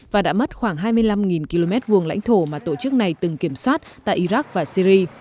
và đã mất khoảng hai mươi năm km vùng lãnh thổ mà tổ chức này từng kiểm soát tại iraq và syri